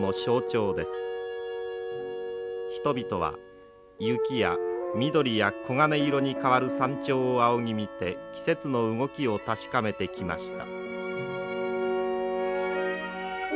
人々は雪や緑や黄金色に変わる山頂を仰ぎ見て季節の動きを確かめてきました。